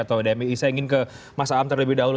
atau dmi saya ingin ke mas aam terlebih dahulu